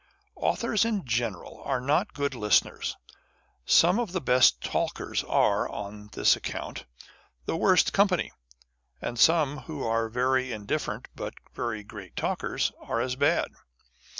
Authors in general are not good list eners. Some of the best talkers are, on this account, the worst company ; and some who are very indifferent, but very great talkers, are as bad.